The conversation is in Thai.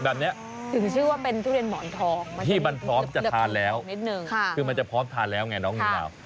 ถึงชื่อว่าเป็นทุเรียนหมอนทองที่มันพร้อมจะทานแล้วคือมันจะพร้อมทานแล้วไงนะครับ